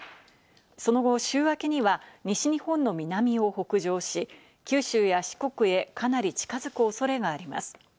その後、週明けには西日本の南を北上し、九州や四国へかなり近づく恐れがあります。